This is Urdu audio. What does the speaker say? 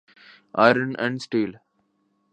iron and steel